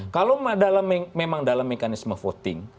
kalau memang dalam mekanisme voting